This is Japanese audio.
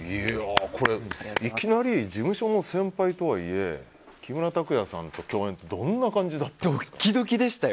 いきなり事務所の先輩とはいえ木村拓哉さんと共演ってどんな感じだったんですか。